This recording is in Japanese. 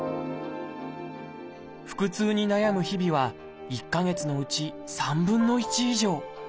腹痛に悩む日々は１か月のうち３分の１以上。